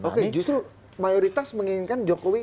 oke justru mayoritas menginginkan jokowi